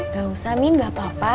gak usah min gak apa apa